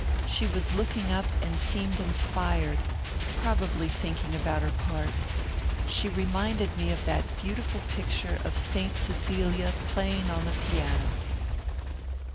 She was looking up and seemed inspired, probably thinking about her part. She reminded me of that beautiful picture of St. Cecelia playing on the piano...."